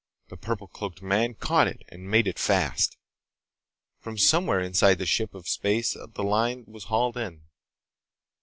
The purple cloaked man caught it and made it fast. From somewhere inside the ship of space the line was hauled in.